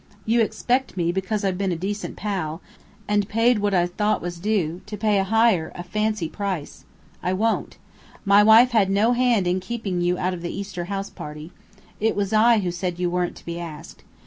You expect me, because I've been a decent pal, and paid what I thought was due, to pay higher, a fancy price. I won't. My wife had no hand in keeping you out of the Easter house party. It was I who said you weren't to be asked.